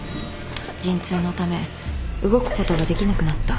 陣痛のため動くことができなくなった。